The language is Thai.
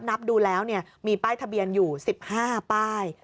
นับดูแล้วมีป้ายทะเบียนอยู่๑๕ป้าย